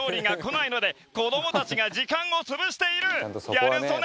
ギャル曽根